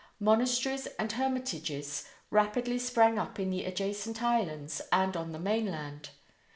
Monasteries and hermitages rapidly sprang up in the adjacent islands and on the mainland.